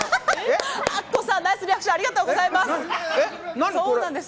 アッコさんナイスリアクションありがとうございます。